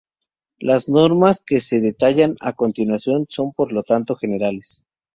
Las normas que se detallan a continuación son por lo tanto generales.